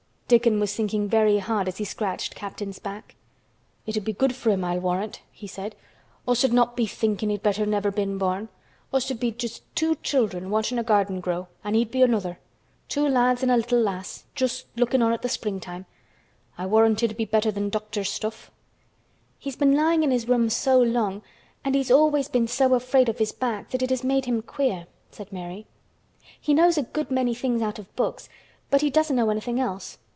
Dickon was thinking very hard as he scratched Captain's back. "It'd be good for him, I'll warrant," he said. "Us'd not be thinkin' he'd better never been born. Us'd be just two children watchin' a garden grow, an' he'd be another. Two lads an' a little lass just lookin' on at th' springtime. I warrant it'd be better than doctor's stuff." "He's been lying in his room so long and he's always been so afraid of his back that it has made him queer," said Mary. "He knows a good many things out of books but he doesn't know anything else.